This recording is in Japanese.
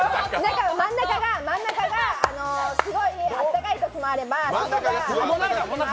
真ん中がすごいあったかいときもあれば。